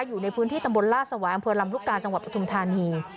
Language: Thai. อยู่ในพื้นที่ตำบลลาดสวายอำเภอลำลูกกาจังหวัดปทุมธานี